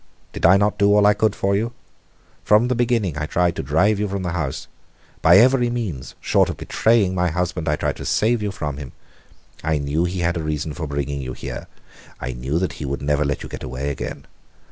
Did I not do all I could for you? From the beginning I tried to drive you from the house. By every means, short of betraying my husband, I tried to save you from him. I knew that he had a reason for bringing you here. I knew that he would never let you get away again.